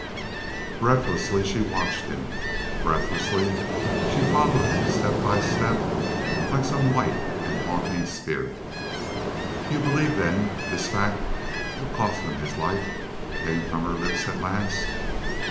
Breathlessly she watched him, breathlessly she followed him step by step like some white and haunting spirit. "You believe, then, this fact will cost him his life?" came from her lips at last.